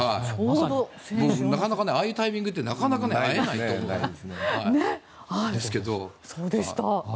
なかなかああいうタイミングって会えないと思うんですけど。